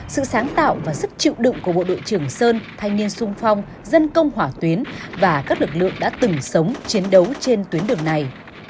sự sáng tạo và sức chịu đựng của bộ đội trường sơn thanh niên sung phong dân công hỏa tuyến và các lực lượng đã từng sống chiến đấu trên tuyến đường này